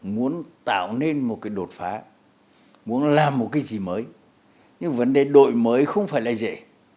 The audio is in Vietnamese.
muốn tạo nên một cái đột phá muốn làm một cái gì mới nhưng vấn đề đổi mới không phải là dễ